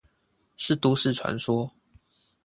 是都市傳說